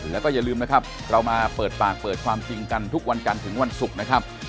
แล้วก็อย่าลืมนะครับเรามาเปิดปากเปิดความจริงกันทุกวันจันทร์ถึงวันศุกร์นะครับ